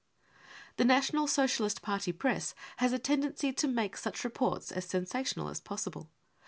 9 ' The National Socialist Party Press has a tendency to make such reports as sensational as possible.